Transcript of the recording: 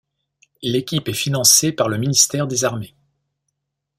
L'équipe est financée par le Ministère des Armées.